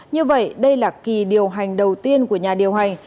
như vậy đây là kỳ điều hành đầu tiên của nhà điều hành